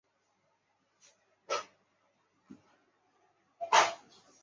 该列车的名称显然是来自十月革命时炮击冬宫的阿芙乐尔号巡洋舰。